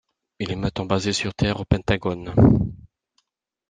Il est maintenant basé sur Terre, au Pentagone.